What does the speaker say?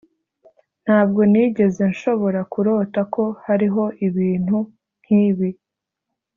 ntabwo nigeze nshobora kurota ko hariho ibintu nkibi